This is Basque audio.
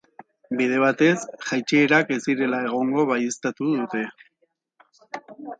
Bide batez, jaitsierak ez direla egongo baieztatu dute.